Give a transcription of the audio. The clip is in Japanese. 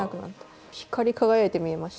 光り輝いて見えましたから。